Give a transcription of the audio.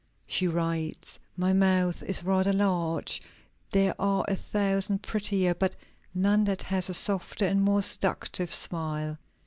She writes: "My mouth is rather large; there are a thousand prettier, but none that has a softer and more seductive smile."